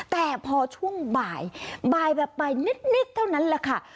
แต่พอช่วงบ่ายบ่ายแบบบ่ายนิดเท่านั้นแหละค่ะ